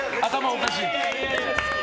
おかしい。